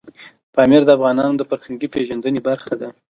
پامیر د افغانانو د فرهنګي پیژندنې برخه ده.